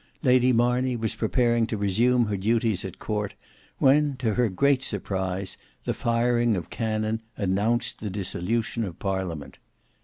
Lady Marney was preparing to resume her duties at court when to her great surprise the firing of cannon announced the dissolution of Parliament.